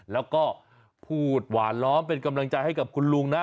แล้วก็พูดหวานล้อมเป็นกำลังใจให้กับคุณลุงนะ